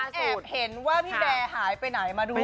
นี่ฉันแอบเห็นว่าพี่แบร์หายไปไหนมาด้วย